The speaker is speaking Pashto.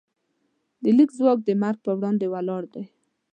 د لیک ځواک د مرګ پر وړاندې ولاړ دی.